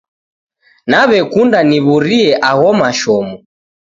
Naw'ekunda niw'urie agho mashomo.